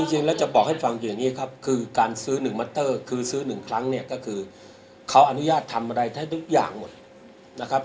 อย่างนี้ครับคือการซื้อหนึ่งมัตเตอร์คือซื้อหนึ่งครั้งเนี่ยก็คือเขาอนุญาตทำอะไรให้ทุกอย่างหมดนะครับ